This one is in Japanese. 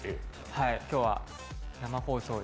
今日は生放送で。